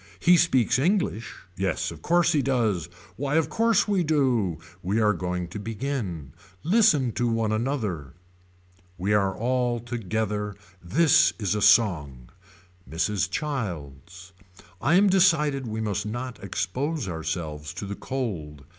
He speaks English. Yes of course he does. Why of course we do. We are going to begin. Listen to one another. We are all together. This is a song. Mrs. Childs. I am decided we must not expose ourselves to the cold.